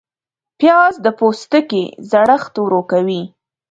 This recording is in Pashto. پیاز د پوستکي زړښت ورو کوي